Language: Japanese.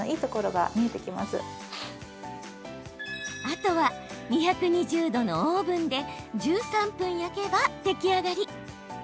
あとは、２２０度のオーブンで１３分焼けば出来上がり。